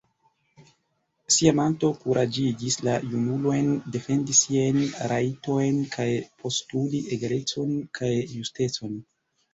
Siamanto kuraĝigis la junulojn defendi siajn rajtojn kaj postuli egalecon kaj justecon.